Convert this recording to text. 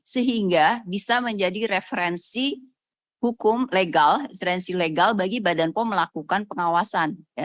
sehingga bisa menjadi referensi hukum legal referensi legal bagi badan pom melakukan pengawasan